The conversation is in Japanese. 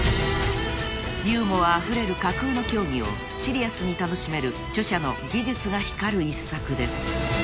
［ユーモアあふれる架空の競技をシリアスに楽しめる著者の技術が光る一作です］